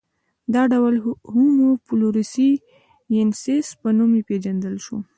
دا ډول د هومو فلورسي ینسیس په نوم پېژندل شو.